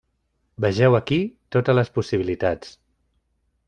Vegeu aquí totes les possibilitats.